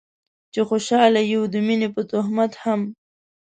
چې خوشحاله يو د مينې په تهمت هم